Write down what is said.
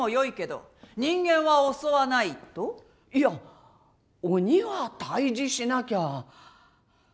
いや鬼は退治しなきゃ。